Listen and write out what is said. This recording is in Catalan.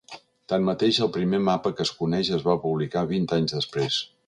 Tanmateix, el primer mapa que es coneix es va publicar vint anys després.